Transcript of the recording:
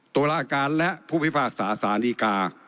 ตุลาการและผู้พิพากษาสารดีกา